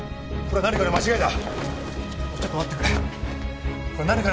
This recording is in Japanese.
これは何かの間違いだ！